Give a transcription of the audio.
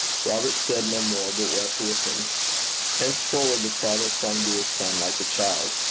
Robert said no more, but wept with him. Henceforward the father clung to his son like a child.